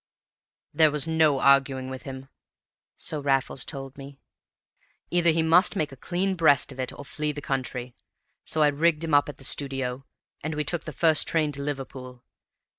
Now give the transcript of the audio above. "There was no arguing with him," so Raffles told me; "either he must make a clean breast of it or flee the country. So I rigged him up at the studio, and we took the first train to Liverpool.